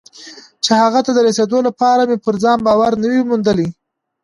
چې هغه ته د رسېدو لپاره مې پر ځان باور نه وي موندلی.